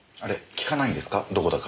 聞かないんですか？